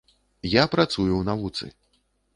Я працую ў навуцы!